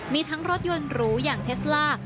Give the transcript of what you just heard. มีทั้งรถยนต์หรูอย่างเทสล่า